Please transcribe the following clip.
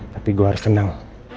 tapi gue harus senang